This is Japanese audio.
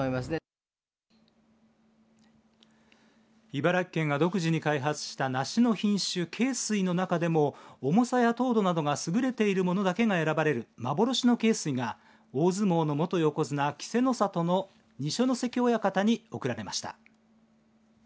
茨城県が独自に開発した梨の品種恵水の中でも重さや糖度などがすぐれているものだけが選ばれる幻の恵水が大相撲の元横綱稀勢の里の二所ノ関親方に贈られました。